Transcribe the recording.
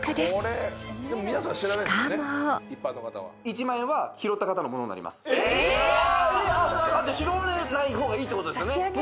じゃあ拾われない方がいいってことですよね？